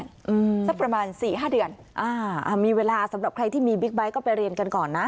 สักประมาณ๔๕เดือนมีเวลาสำหรับใครที่มีบิ๊กไบ้ก็ไปเรียนกันก่อนนะ